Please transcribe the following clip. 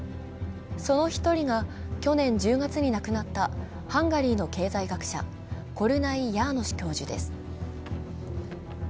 その１人が去年１０月に亡くなったハンガリーの経済学者、コルナイ・ヤーノシュ教授です。